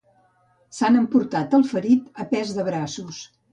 S'han emportat el ferit a pes de braços.